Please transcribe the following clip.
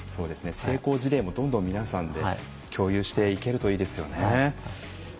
成功事例もどんどん皆さんで共有していけるといいですよね。